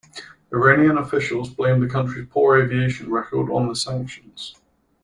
Iranian officials blamed the country's poor aviation record on the sanctions.